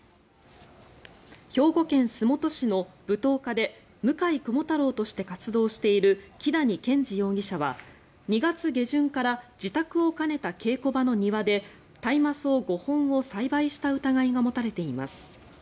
兵庫県洲本市の舞踏家で向雲太郎として活動している木谷研治容疑者は２月下旬から自宅を兼ねた稽古場の庭で大麻草５本を栽培した疑いが持たれています。